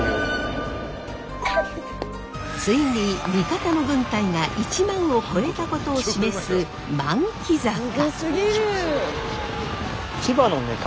ついに味方の軍隊が１万を超えたことを示す万騎坂。